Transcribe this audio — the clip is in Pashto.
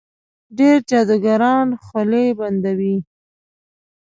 ډېر جادوګران خولې بندوي.